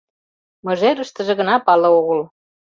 Мыжерыштыже гына пале огыл.